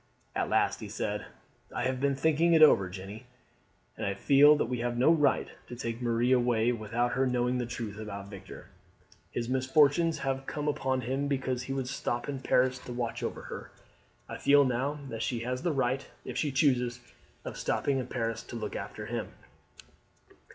At last he said, "I have been thinking it over, Jeanne, and I feel that we have no right to take Marie away without her knowing the truth about Victor. His misfortunes have come upon him because he would stop in Paris to watch over her. I feel now that she has the right, if she chooses, of stopping in Paris to look after him."